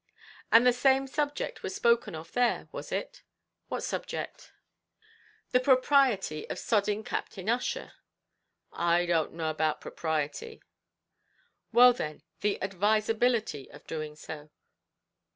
"And the same subject was spoken of there; was it?" "What subject?" "The propriety of sodding Captain Ussher?" "I don't know about propriety." "Well, then, the advisability of doing so?"